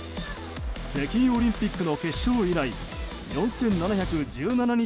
北京オリンピックの決勝以来４７１７日